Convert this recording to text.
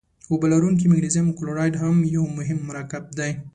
اوبه لرونکی مګنیزیم کلورایډ هم یو مهم مرکب دی.